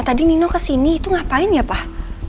tadi nino kesini itu ngapain ya pak